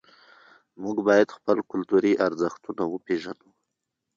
موږ باید خپل کلتوري ارزښتونه وپېژنو.